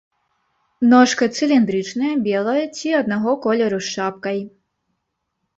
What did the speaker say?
Ножка цыліндрычная, белая ці аднаго колеру з шапкай.